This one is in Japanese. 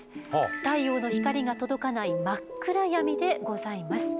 太陽の光が届かない真っ暗闇でございます。